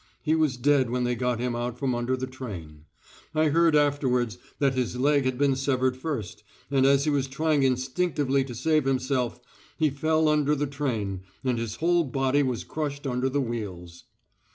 He was dead when they got him out from under the train. I heard afterwards that his leg had been severed first, and as he was trying instinctively to save himself, he fell under the train, and his whole body was crushed under the wheels.